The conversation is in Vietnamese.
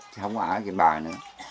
không có ở trên bờ nữa